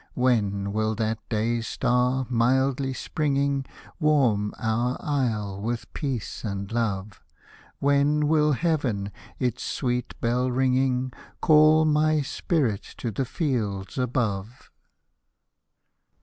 When will that day star, mildly springing, Warm our isle with peace and love ? When will heaven, its sweet bell ringing. Call my spirit to the fields above